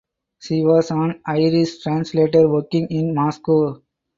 She was an Irish translator working in Moscow.